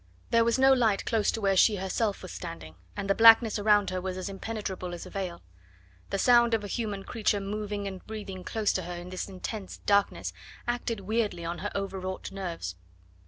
There was no light close to where she herself was standing, and the blackness around her was as impenetrable as a veil; the sound of a human creature moving and breathing close to her in this intense darkness acted weirdly on her overwrought nerves.